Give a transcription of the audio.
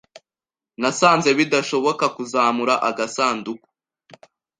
Nasanze bidashoboka kuzamura agasanduku.